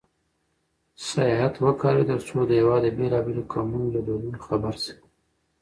سیاحت وکاروئ ترڅو د هېواد د بېلابېلو قومونو له دودونو خبر شئ.